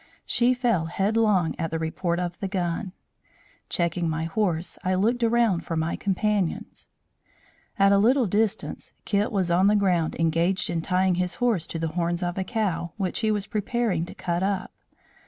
She fell headlong at the report of the gun. Checking my horse, I looked around for my companions. "At a little distance Kit was on the ground engaged in tying his horse to the horns of a cow, which he was preparing to cut up.